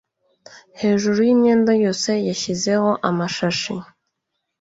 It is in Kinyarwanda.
hejuru y'imyenda yose yashyizeho amashashi